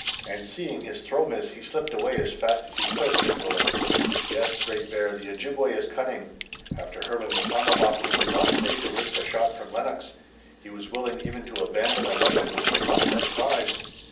"And seeing his throw miss he slipped away as fast as he could!" said Willet. "Yes, Great Bear, the Ojibway is cunning. After hurling the tomahawk he would not stay to risk a shot from Lennox. He was willing even to abandon a weapon which he must have prized.